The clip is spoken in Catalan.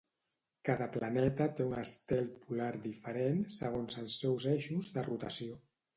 Cada planeta té un estel polar diferent segons els seus eixos de rotació.